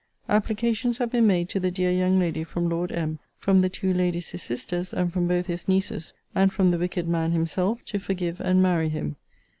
Applications have been made to the dear young lady from Lord M., from the two ladies his sisters, and from both his nieces, and from the wicked man himself, to forgive and marry him.